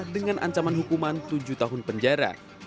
dengan ancaman hukuman tujuh tahun penjara